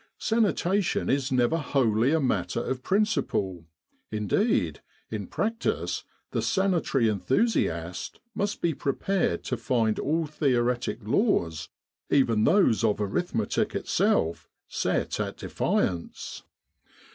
Sanitation is never wholly a matter of principle: indeed, in practice, the sanitary enthusiast must be prepared to find all theoretic laws, even those of arithmetic itself, set at defiance.